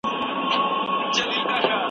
دا مجلس به د ماليې پر راټولولو څارنه وکړي.